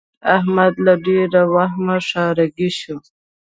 احمد له ډېره وهمه ښارګی شو.